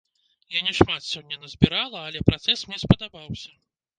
Я не шмат сёння назбірала, але працэс мне спадабаўся.